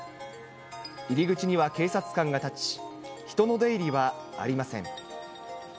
入り口には警察官が立ち、人の出入りはありません。